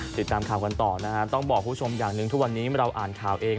ติดตามข่าวกันต่อนะฮะต้องบอกคุณผู้ชมอย่างหนึ่งทุกวันนี้เราอ่านข่าวเอง